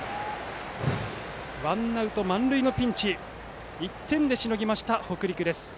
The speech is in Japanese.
ワンアウト満塁のピンチを１点でしのぎました北陸です。